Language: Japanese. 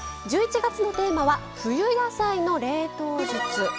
１１月のテーマは「冬野菜の冷凍術」。